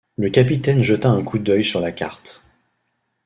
Le capitaine jeta un coup d’œil sur la carte.